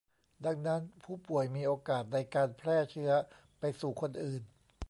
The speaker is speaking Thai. ดังนั้นผู้ป่วยมีโอกาสในการแพร่เชื้อไปสู่คนอื่น